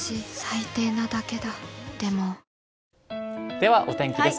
では、お天気です。